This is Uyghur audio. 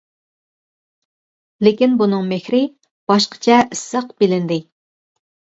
لېكىن بۇنىڭ مېھرى باشقىچە ئىسسىق بىلىندى.